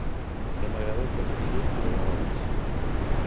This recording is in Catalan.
No m'agrada que em mirin de dalt a baix